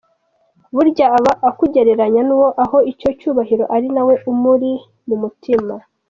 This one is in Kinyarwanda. Burya aba akugereranya n’uwo aha icyo cyubahiro ari nawe umuri mu mutima.